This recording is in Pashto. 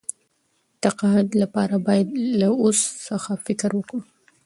تقاعد لپاره باید له اوس څخه فکر وکړو.